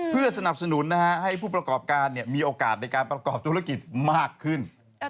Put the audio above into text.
เพื่อสนับสนุนให้ผู้ประกอบการมีโอกาสในการประกอบธุรกิจมากขึ้น